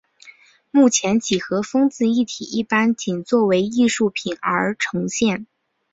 目前几何风格字体一般仅作为艺术品而呈现。